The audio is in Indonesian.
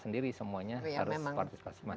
sendiri semuanya harus partisipasi masyarakat